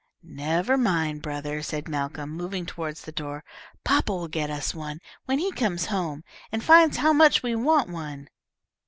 "Never mind, brother," said Malcolm, moving toward the door. "Papa will get us one when he comes home and finds how much we want one."